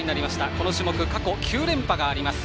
この種目、過去９連覇があります。